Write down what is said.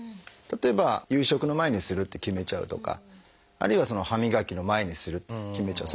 例えば夕食の前にするって決めちゃうとかあるいは歯磨きの前にするって決めちゃう。